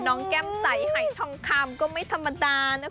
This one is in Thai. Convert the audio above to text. น้องแก้มใสให้ทองคำก็ไม่ธรรมดานะคุณ